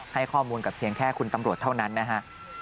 ให้ข้อมูลกับเพียงแค่คุณตำรวจเท่านั้นนะฮะ